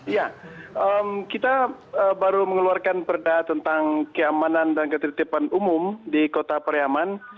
ya kita baru mengeluarkan perda tentang keamanan dan ketertiban umum di kota pariaman